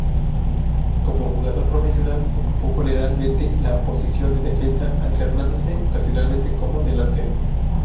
Como jugador profesional, ocupó generalmente la posición de defensa, alternándose ocasionalmente como delantero.